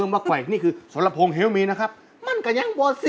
อื้มอ่าแล้วนี่ตำรวจเขาว่าไง